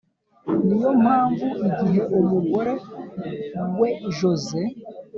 Ni yo mpamvu igihe umugore we Jose